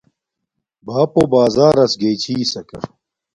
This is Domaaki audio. بݳپݸ بݳزݳرَس گݵئ چھݵسَکݳ.